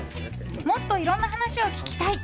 もっといろんな話を聞きたい！